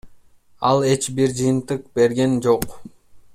Ал эч бир жыйынтык берген жок.